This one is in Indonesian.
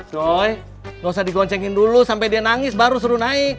loh gak usah digoncengin dulu sampai dia nangis baru seru naik